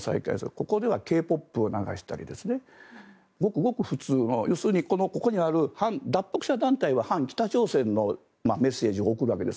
ここではＫ−ＰＯＰを流したりごくごく普通の要するに、ここにある脱北者団体は反北朝鮮のメッセージを送るわけです。